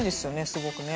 すごくね。